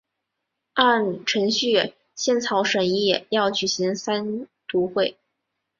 按程序宪草审议要举行三读会。